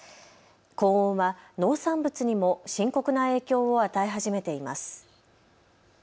高温は農産物にも深刻な影響を与え始めています。